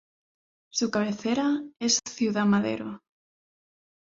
Su cabecera es Ciudad Madero.